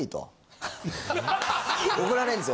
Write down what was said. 怒られんですよ